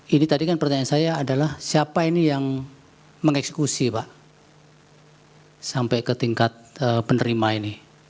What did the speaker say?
ini tadi kan pertanyaan saya adalah siapa ini yang mengeksekusi pak sampai ke tingkat penerima ini